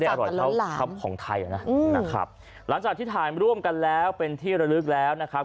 แต่มันก็ไม่ได้อร่อยของไทยนะนะครับหลังจากที่ถ่ายร่วมกันแล้วเป็นที่ระลึกแล้วนะครับ